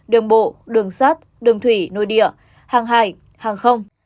đường bộ đường sát đường thủy nội địa hàng hải hàng không